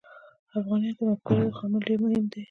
افغانیت یوه مفکوره ده، خو عمل ډېر مهم دی.